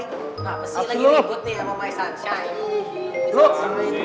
kenapa sih lagi ribut nih sama my sunshine